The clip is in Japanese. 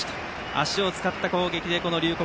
足を使った攻撃で龍谷